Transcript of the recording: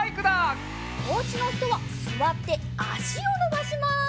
おうちのひとはすわってあしをのばします。